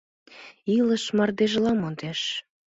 Илыш мардежла модеш.